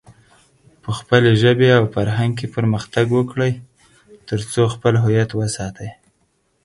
په خپلې ژبې او فرهنګ کې پرمختګ وکړئ، ترڅو خپل هويت وساتئ.